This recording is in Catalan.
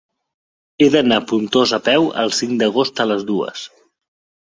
He d'anar a Pontós a peu el cinc d'agost a les dues.